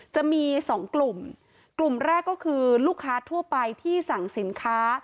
จะมีสองกลุ่มกลุ่มแรกก็คือลูกค้าทั่วไปที่สั่งสินค้า